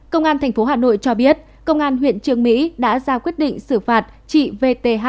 công an tp hà nội cho biết công an huyện trường mỹ đã ra quyết định xử phạt chị v t h